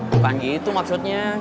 bukan gitu maksudnya